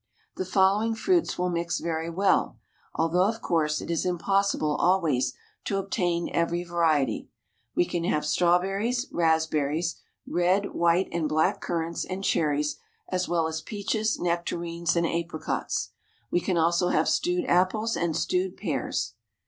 The following fruits will mix very well, although, of course, it is impossible always to obtain every variety. We can have strawberries, raspberries, red, white, and black currants, and cherries, as well as peaches, nectarines, and apricots. We can also have stewed apples and stewed pears.